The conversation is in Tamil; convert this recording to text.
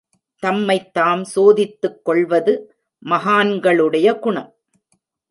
தம்மைத் தாம் சோதித்துக் கொள்வது மகான்களுடைய குணம்.